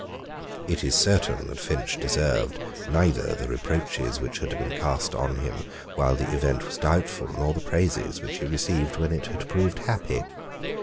It is certain that Finch deserved neither the reproaches which had been cast on him while the event was doubtful, nor the praises which he received when it had proved happy.